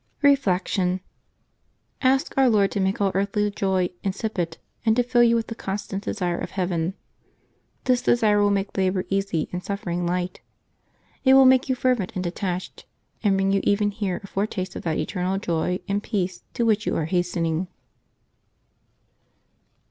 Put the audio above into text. Reflection. — Ask Our Lord to make all earthly joy in sipid, and to fill you with the constant desire of heaven. This desire will make labor easy and suffering light. It will make you fervent and detached, and bring you even here a foretaste of that eternal joy and peace to which you are hastening.